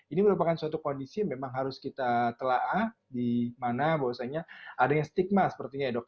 ini merupakan suatu kondisi yang memang harus kita telah di mana bahwasanya adanya stigma sepertinya ya dok